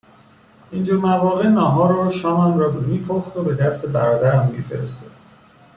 اینجور مواقع ناهار و شامم را میپخت و به دست برادرم میفرستاد